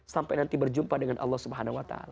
sampai nanti berjumpa dengan allah subhanahu wa ta'ala